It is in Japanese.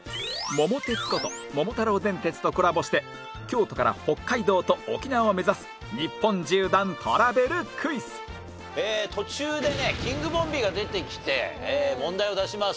「桃鉄」こと『桃太郎電鉄』とコラボして京都から北海道と沖縄を目指す日本縦断トラベルクイズ途中でねキングボンビーが出てきて問題を出します。